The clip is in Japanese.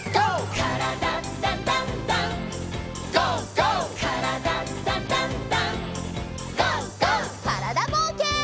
からだぼうけん。